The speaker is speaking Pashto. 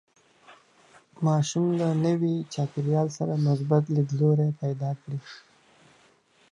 ماشوم له نوي چاپېریال سره مثبت لیدلوری پیدا کړي.